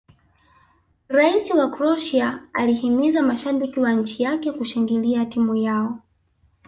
rais wa croatia alihimiza mashabiki wa nchi yake kushangilia timu yao